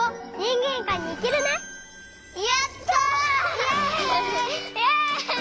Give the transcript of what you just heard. イエイ！